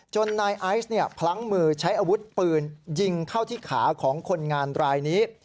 นายไอซ์พลั้งมือใช้อาวุธปืนยิงเข้าที่ขาของคนงานรายนี้